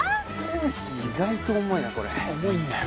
意外と重いなこれ重いんだよ